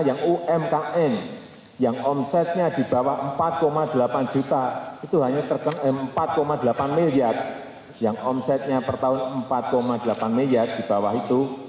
yang omsetnya di bawah empat delapan miliar yang omsetnya per tahun empat delapan miliar di bawah itu